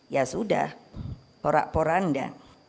ya sudah porak poranda